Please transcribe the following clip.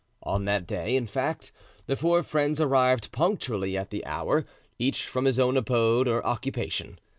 On that day, in fact, the four friends arrived punctually at the hour, each from his own abode or occupation.